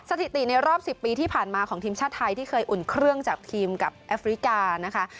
สถิติในรอบ๑๐ปีที่ผ่านมาของทีมชาติไทยที่เคยอุ่นเครื่องจากทีมกับแอฟริกานะคะ